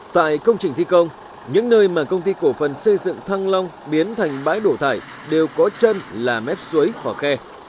tại công trình thi công những nơi mà công ty cổ phần xây dựng thăng long biến thành bãi đổ thải đều có chân là mép suối vỏ khe